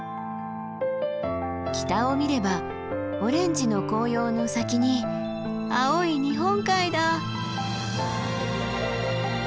北を見ればオレンジの紅葉の先に青い日本海だ！